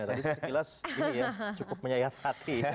tadi sekilas ini ya cukup menyayat hati